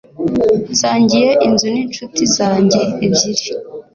Nsangiye inzu ninshuti zanjye ebyiri.